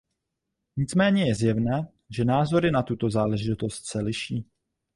Nicméně je zjevné, že názory na tuto záležitost se liší.